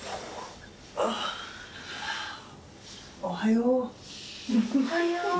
おはよう。